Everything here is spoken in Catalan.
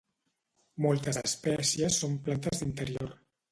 Moltes espècies són plantes d'interior.